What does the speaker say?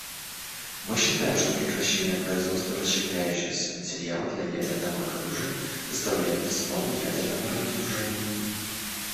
Мы считаем, что прекращение производства расщепляющегося материала для ядерного оружия составляет основу ядерного разоружения.